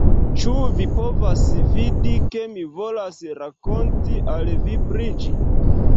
Ĉu vi povas vidi, ke mi volas rakonti al vi pri ĝi